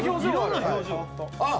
あっ！